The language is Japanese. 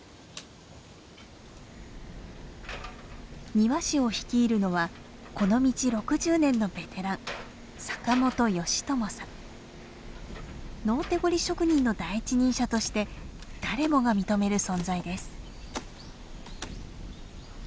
庭師を率いるのはこの道６０年のベテラン陰手刈り職人の第一人者として誰もが認める存在です。